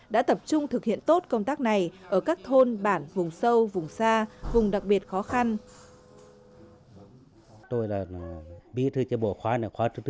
đã tập trung thực hiện tốt công tác này ở các thôn bản vùng sâu vùng xa vùng đặc biệt khó khăn